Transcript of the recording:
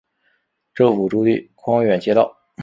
政府驻地匡远街道。